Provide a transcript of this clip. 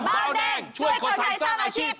เบาแดงช่วยคนไทยสร้างอาชีพ